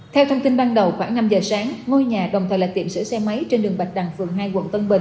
theo thông tin ban đầu khoảng năm giờ sáng ngôi nhà đồng thời là tiệm sửa xe máy trên đường bạch đằng phường hai quận tân bình